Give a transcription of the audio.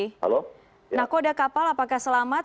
pak diki nakoda kapal apakah selamat